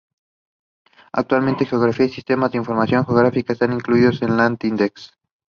Most of his writings lean towards comedy and black comedy.